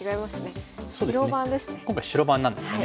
今回白番なんですよね。